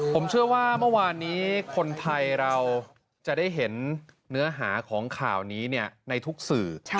ผมเชื่อว่าเมื่อวานนี้คนไทยเราจะได้เห็นเนื้อหาของข่าวนี้ในทุกสื่อ